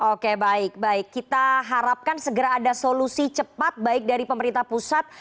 oke baik baik kita harapkan segera ada solusi cepat baik dari pemerintah pusat